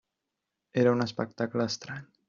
Era un espectacle estrany.